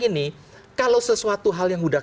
gini kalau sesuatu hal yang sudah